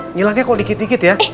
ngilangnya kok dikit dikit ya